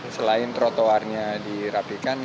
selain trotoarnya dirapikan